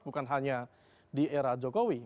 bukan hanya di era jokowi